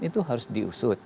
itu harus diusut